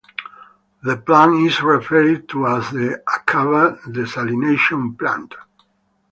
The plant is referred to as the "Aqaba Desalination Plant".